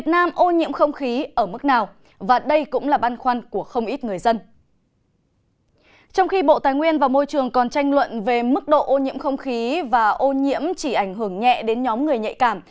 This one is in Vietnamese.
trong khi bộ tài nguyên và môi trường còn tranh luận về mức độ ô nhiễm không khí và ô nhiễm chỉ ảnh hưởng nhẹ đến nhóm người nhạy cảm